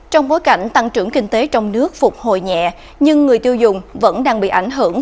trong bối cảnh tăng trưởng kinh tế trong nước phục hồi nhẹ nhưng người tiêu dùng vẫn đang bị ảnh hưởng